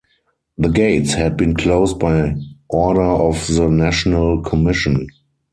The gates had been closed by order of the National Commission.